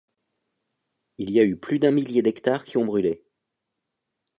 Il y a eu plus d'un millier d'hectares qui ont brûlé.